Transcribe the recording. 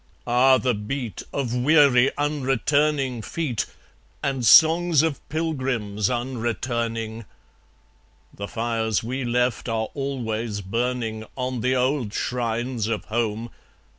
... Ah! the beat Of weary unreturning feet, And songs of pilgrims unreturning! ... The fires we left are always burning On the old shrines of home.